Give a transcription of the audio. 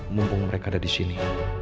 mumpung mereka ada di sini